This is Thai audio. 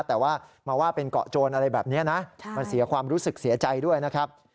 แต่ว่ามาว่าเป็นเกาะโจรอะไรแบบนี้นะมันเสียความรู้สึกเสียใจด้วยนะครับ